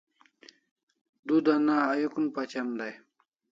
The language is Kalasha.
Du dana ayukun pachem dai